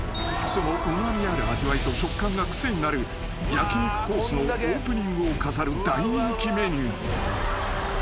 ［そのうま味ある味わいと食感が癖になる焼き肉コースのオープニングを飾る大人気メニュー］